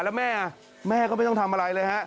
แล้วแม่แม่ก็ไม่ต้องทำอะไรเลยฮะ